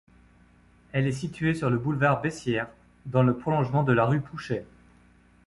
Elle est située sur le boulevard Bessières dans le prolongement de la rue Pouchet.